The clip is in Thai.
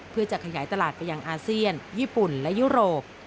เพื่อจะขยายตลาดไปยังอาเซียนญี่ปุ่นและยุโรป